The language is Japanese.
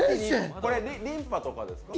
これ、リンパとかですか？